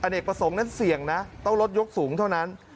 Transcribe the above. เนกประสงค์นั้นเสี่ยงนะต้องลดยกสูงเท่านั้น